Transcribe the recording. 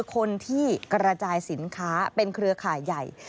คนที่กระจายสินค้าเป็นเครือข่ายใหญ่